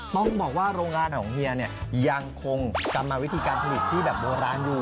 ต้องบอกว่าโรงงานของเฮียเนี่ยยังคงกรรมวิธีการผลิตที่แบบโบราณอยู่